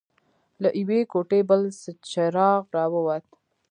له يوې کوټې بل څراغ راووت.